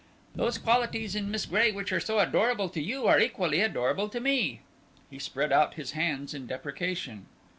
Those qualities in Miss Gray which are so adorable to you are equally adorable to me." He spread out his hands in deprecation.